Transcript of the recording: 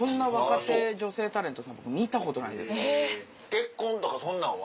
結婚とかそんなんは？